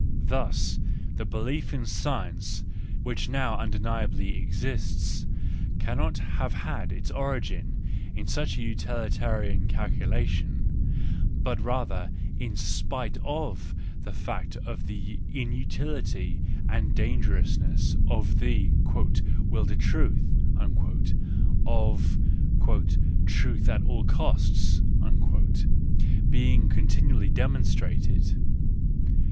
Thus—the belief in science, which now undeniably exists, cannot have had its origin in such a utilitarian calculation, but rather in spite of the fact of the inutility and dangerousness of the " Will to truth," of " truth at all costs," being continually demonstrated.